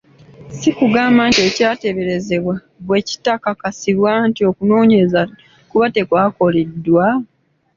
Si kugamba nti ekyateeberezebwa bwe kitakakasibwa nti okunoonyereza kuba tekukoleddwa?